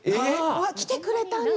来てくれたんだ。